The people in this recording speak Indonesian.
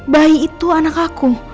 bayi itu anak aku